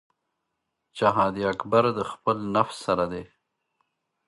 جهاد اکبر د خپل نفس سره دی .